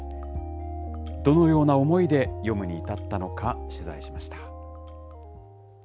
どのような思いで詠むに至ったのか、取材しました。